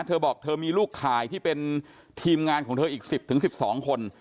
เธอบอกเธอมีลูกข่ายที่เป็นทีมงานของเธออีก๑๐๑๒คน